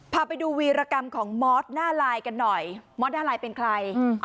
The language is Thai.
พาไปดูวีรกรรมของมอสหน้าลายกันหน่อยมอสหน้าลายเป็นใคร